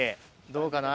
どうかな？